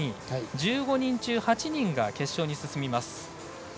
１５人中８人が決勝に進みます。